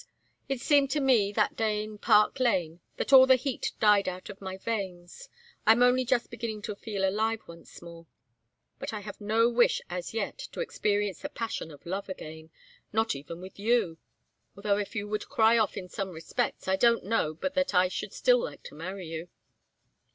It seemed to me that day in Park Lane that all the heat died out of my veins. I am only just beginning to feel alive once more. But I have no wish as yet to experience the passion of love again not even with you; although if you would cry off in some respects I don't know but that I should still like to marry you."